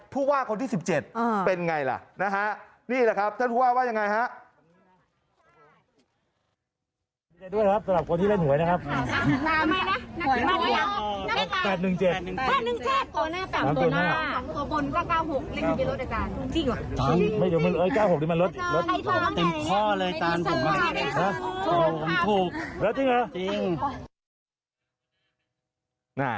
ผู้ว่าคนที่๑๗เป็นไงล่ะนะฮะนี่แหละครับท่านผู้ว่าว่ายังไงฮะ